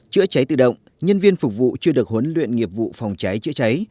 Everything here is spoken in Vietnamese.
chữa cháy tự động nhân viên phục vụ chưa được huấn luyện nghiệp vụ phòng cháy chữa cháy